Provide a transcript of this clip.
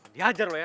diajar lo ya